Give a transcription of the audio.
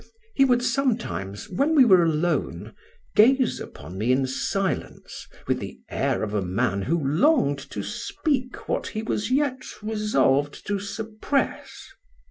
He would sometimes, when we were alone, gaze upon me in silence with the air of a man who longed to speak what he was yet resolved to suppress.